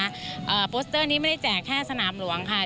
อ่าโปสเตอร์นี้ไม่ได้แจกแค่สนามหลวงค่ะ